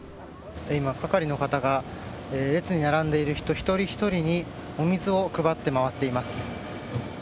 今、係の方が列に並んでいる人一人ひとりにお水を配って回っています。